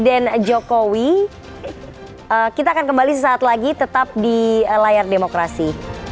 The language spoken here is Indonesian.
terima kasih juga presiden jokowi kita akan kembali sesaat lagi tetap di layar demokrasi